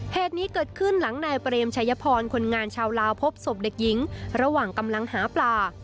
เหตุนี้เกิดขึ้นหลังนายเปรมชัยพรคนงานชาวลาวพบศพเด็กหญิงระหว่างกำลังหาปลา